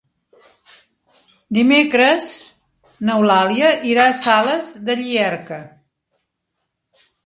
Dimecres n'Eulàlia irà a Sales de Llierca.